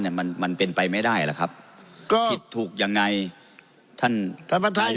เนี่ยมันมันเป็นไปไม่ได้ล่ะครับก็ผิดถูกยังไงท่านท่านประธาน